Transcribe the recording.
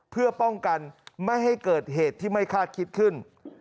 เพื่อป้องกันไม่ให้เกิดเหตุที่ไม่คาดคิดขึ้น